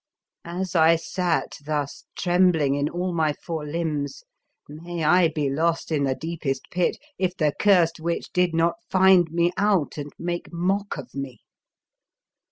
As I sat thus trembling in all my four limbs, may I be lost in the deep est pit if the curst witch did not find me out and make mock of me!